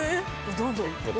どんどんいってる。